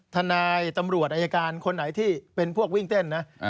ทนายตำรวจอายการคนไหนที่เป็นพวกวิ่งเต้นนะ